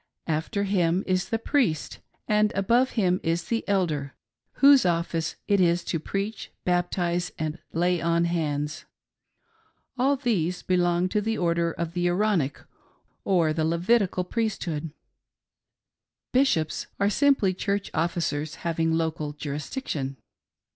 After him is the "Priest," and above him is the Elder whose office it is to preach, baptize and lay on hands. All these belong to the order of the Aaronic — or the Levitical priesthood, "Bishops" are simply Church officers having local jurisdiction!.